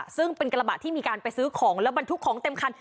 ซึ่งเป็นกระบะที่มีการไปซื้อของแล้วบรรทุกของเต็มคัน